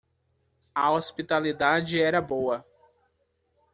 A hospitalidade era boa.